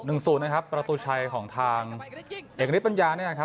ศูนย์นะครับประตูชัยของทางเอกฤทธปัญญาเนี่ยนะครับ